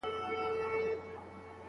شاګرد ولې خپله موضوع بدله کړه؟